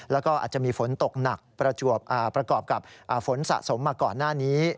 แล้วก็อาจจะมีฝนตกหนักประกอบกับฝนสะสมมาก่อนหน้านี้